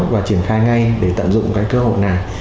và triển khai ngay để tận dụng cái cơ hội này